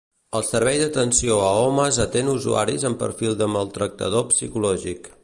El Servei d'Atenció a Homes atén usuaris amb perfil de maltractador psicològic.